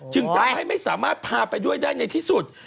จึงทำให้ไม่สามารถพาไปด้วยได้ในที่สุด